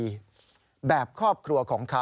ให้ใช้ความแปลงแบบครอบครัว